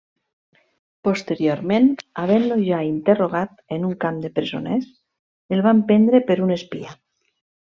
Posteriorment, havent-lo ja interrogat en un camp de presoners, el van prendre per un espia.